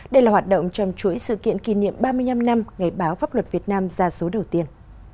đây là hoạt động trong chuỗi sự kiện kỷ niệm ba mươi năm năm ngày báo pháp luật việt nam ra số đầu tiên